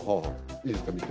いいですか見て。